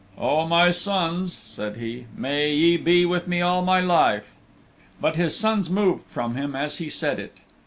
"O my sons," said he, "may ye be with me all my life." But his sons moved from him as he said it.